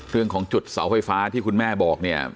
เรื่องของจุดเสาไฟฟ้าที่คุณแม่บอกเนี่ย